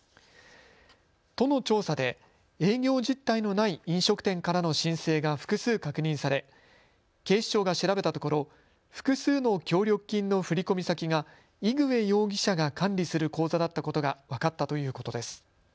都の調査で営業実態のない飲食店からの申請が複数確認され警視庁が調べたところ複数の協力金の振込先がイグウェ容疑者が管理する口座だったことが分かったということです。